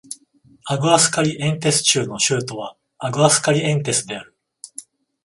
アグアスカリエンテス州の州都はアグアスカリエンテスである